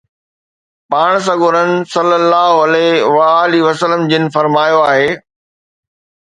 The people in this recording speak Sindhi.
پاڻ سڳورن صلي الله عليھ و آلھ وسلم جن فرمايو آهي